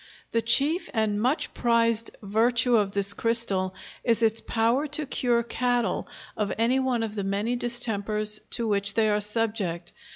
The chief and much prized virtue of this crystal is its power to cure cattle of any one of the many distempers to which they are subject.